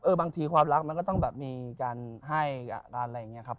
บางทีความรักมันก็ต้องแบบมีการให้การอะไรอย่างนี้ครับ